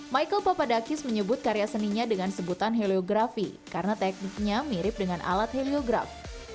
michael papadakis menyebut karya seninya dengan sebutan heliografi karena tekniknya mirip dengan alat heliograf